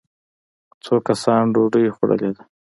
څو کسانو ډوډۍ خوړلې ده.